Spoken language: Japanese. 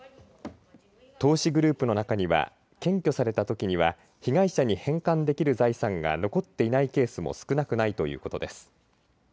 投資グループの中には検挙されたときには被害者に返還できる財産が残っていないケースも少なくないということです。